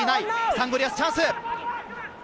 サンゴリアス、チャンス。